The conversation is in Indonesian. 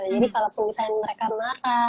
jadi kalau misalnya mereka marah